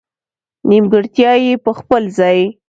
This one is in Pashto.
نېمګړتیا یې په خپل ځای.